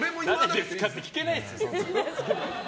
誰ですかって聞けないですよ。